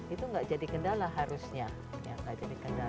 itu nggak jadi kendala harusnya